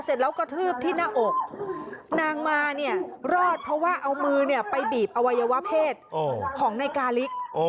เสร็จแล้วกระทืบที่หน้าอกนางมาเนี่ยรอดเพราะว่าเอามือเนี่ยไปบีบอวัยวะเพศของนายกาลิก